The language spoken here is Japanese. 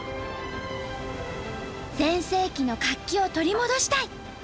「全盛期の活気を取り戻したい！」